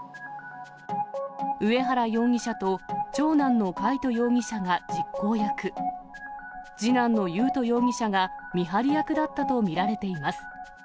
上原容疑者と長男の魁斗容疑者が実行役、次男の優斗容疑者が見張り役だったと見られています。